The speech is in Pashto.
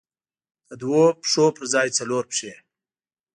د دوو پښو پر ځای څلور پښې.